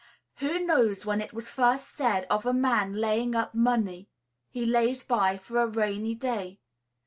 Who knows when it was first said of a man laying up money, "He lays by for a rainy day"?